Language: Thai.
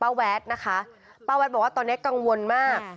แวดนะคะป้าแวดบอกว่าตอนนี้กังวลมาก